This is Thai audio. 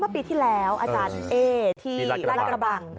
อ๋อมาปีที่แล้วอาจารย์เอที่รักระบัง